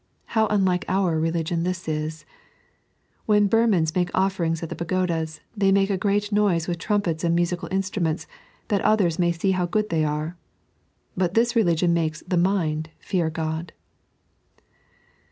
How tmlike our religion this is ! When BurmanB make ofieringa at the pagodas, they make a great noise vith trumpets and musical instruments, that others ma; see how good they are. But this religion makes the mind fear God."